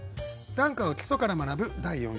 短歌を基礎から学ぶ第４週。